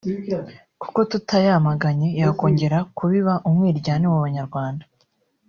kuko tutayamaganye yakongera kubiba umwiryane mu banyarwanda